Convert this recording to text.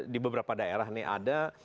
di beberapa daerah ini ada